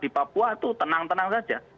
di papua itu tenang tenang saja